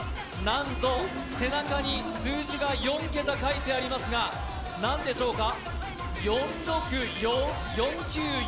なんと背中に数字が４桁書いてありますが、何でしょうか？